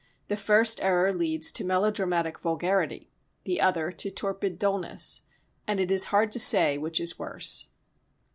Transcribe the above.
The first error leads to melodramatic vulgarity, the other to torpid dullness, and it is hard to say which is worse.